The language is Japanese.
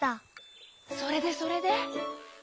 それでそれで？